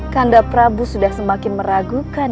kanda prabu sudah semakin meragukan